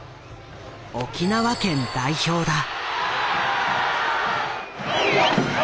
沖縄県代表だ。